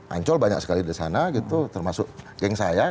ancol banyak sekali di sana gitu termasuk geng saya